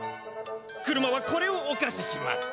車はこれをおかしします。